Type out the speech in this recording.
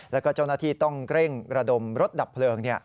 แล้วก็เจ้าหน้าที่ต้องเร่งระดมรถดับเพลิง